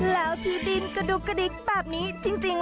แล้วที่ดินกระดุกกระดิกแบบนี้จริง